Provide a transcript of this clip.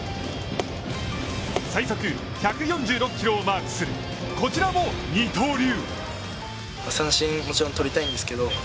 最速１４６キロをマークするこちらも二刀流。